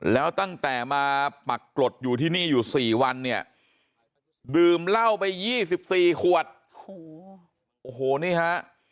แล้วตั้งแต่มาปักกรดอยู่ที่นี่อยู่๔วันเนี่ยดื่มเหล้าไป๒๔ขวดโอ้โหนี่ฮะ